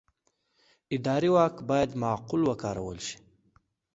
اداري واک باید معقول وکارول شي.